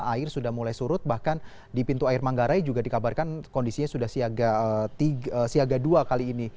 air sudah mulai surut bahkan di pintu air manggarai juga dikabarkan kondisinya sudah siaga dua kali ini